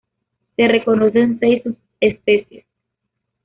Se reconocen seis subespecies.